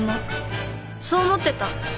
そう思ってた。